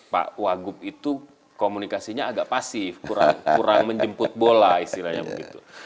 pak wagub itu komunikasinya agak pasif kurang menjemput bola istilahnya begitu